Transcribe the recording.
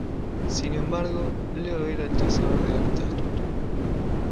Sin embargo, Leo era el tasador de arte astuto.